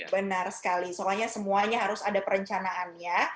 benar sekali soalnya semuanya harus ada perencanaan ya